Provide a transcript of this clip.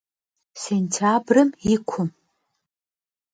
Sêntyabrım yi kum.